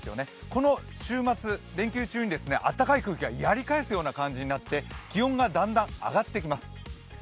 この週末、連休中にあったかい空気がやり返すような感じになって気温がだんだん上がってきます。